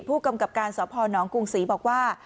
ผู้กำกับการสพนกรุงศรีบอกว่า